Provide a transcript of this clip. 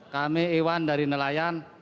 kami iwan dari nelayan